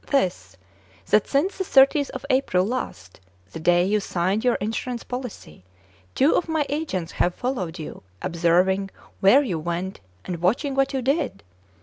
This : that since the 30th of April last, the day you signed your insurance policy, two of my agents have followed you, observing where you went, and watching what you did."